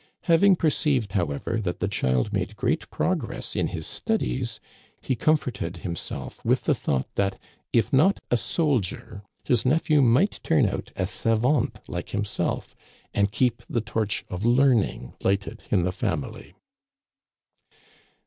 Having perceived, however, that the child made great progress in his studies, he comforted himself with the thought that, if not a soldier, his nephew might turn out a savant like himself and keep the torch of learning lighted in the family.